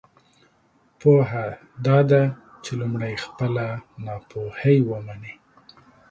پوهه دا ده چې لمړی خپله ناپوهۍ ومنی!